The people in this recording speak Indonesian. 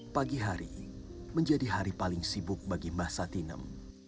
pagi hari menjadi hari paling sibuk bagi mbah satinem